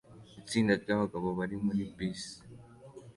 Itsinda ryabagabo bari muri bisi